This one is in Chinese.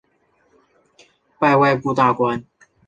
拜外部大官。